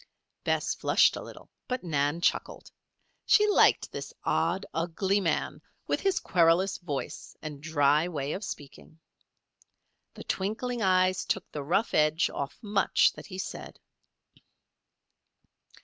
Bess flushed a little; but Nan chuckled. She liked this odd, ugly man, with his querulous voice and dry way of speaking. The twinkling eyes took the rough edge off much that he said.